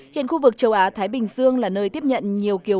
hiện khu vực châu á thái bình dương là nơi tiếp nhận nhiều kiểu